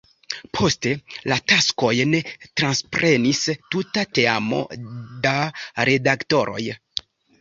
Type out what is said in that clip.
Poste, la taskojn transprenis tuta teamo da redaktoroj.